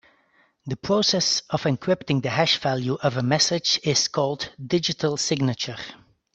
The process of encrypting the hash value of a message is called digital signature.